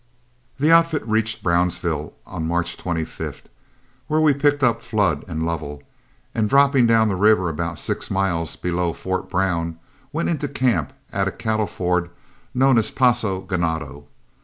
The outfit reached Brownsville on March 25th, where we picked up Flood and Lovell, and dropping down the river about six miles below Fort Brown, went into camp at a cattle ford known as Paso Ganado.